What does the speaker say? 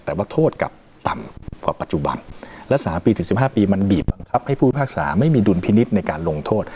แต่ว่าโทษกลับต่ำกว่าปัจจุบันและ๓ปีถึง๑๕ปีมันบีบบังคับให้ผู้พิพากษาไม่มีดุลพินิษฐ์ในการลงโทษ